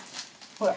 ほら。